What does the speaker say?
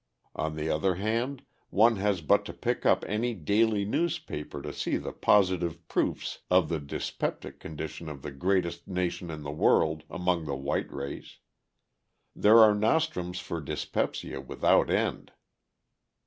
On the other hand, one has but to pick up any daily newspaper to see the positive proofs of the dyspeptic condition of the "greatest nation of the world" among the white race. There are nostrums for dyspepsia without end.